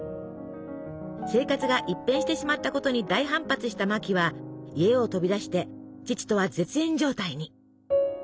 生活が一変してしまったことに大反発したマキは家を飛び出して父とは絶縁状態に。